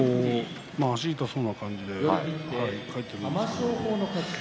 足が痛そうな感じで帰ってきますね。